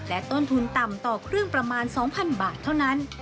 ต้นทุนต่ำต่อเครื่องประมาณ๒๐๐๐บาทเท่านั้น